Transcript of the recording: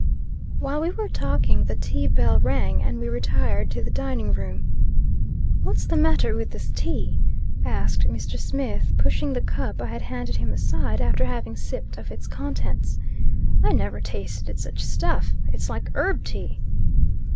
While we were talking, the tea bell rang, and we retired to the dining room. "What's the matter with this tea?" asked Mr. Smith, pushing the cup I had handed him aside, after leaving sipped of its contents. "I never tasted such stuff. It's like herb tea."